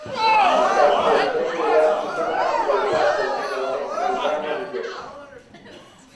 Il testo riprende i versi intonati dal Gatto Mammone nel dramma di Goethe.